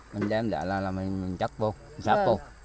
mình đem lại là mình chất vô